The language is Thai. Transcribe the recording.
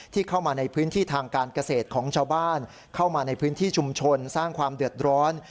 เข้ามาในพื้นที่ทางการเกษตรของชาวบ้านเข้ามาในพื้นที่ชุมชนสร้างความเดือดร้อน